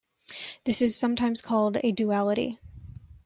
This is sometimes called a duality.